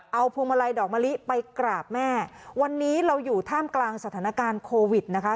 เอาพวงมาลัยดอกมะลิไปกราบแม่วันนี้เราอยู่ท่ามกลางสถานการณ์โควิดนะคะ